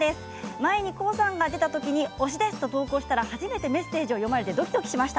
前にコウさんが出た時に推しですと、初めてメッセージが読まれてドキドキしました。